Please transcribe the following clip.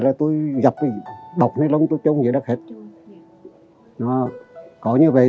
là tôi dập bọc nê lông tôi trông vậy đó hết nó có như vậy